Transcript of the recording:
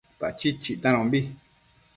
Pachid chictanombi